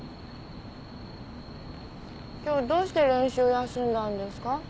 今日どうして練習休んだんですか？